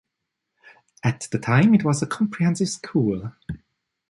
At that time it was a comprehensive school.